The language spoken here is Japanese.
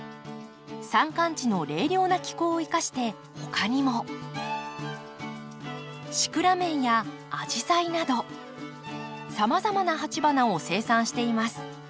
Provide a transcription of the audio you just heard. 山間地の冷涼な気候を生かして他にもシクラメンやアジサイなどさまざまな鉢花を生産しています。